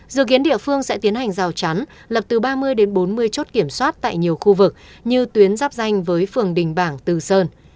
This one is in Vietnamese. dự kiến địa phương sẽ tiến hành rào chắn lập từ ba mươi đến bốn mươi chốt kiểm soát tại nhiều khu vực như tuyến giáp danh với phường đình bảng từ sơn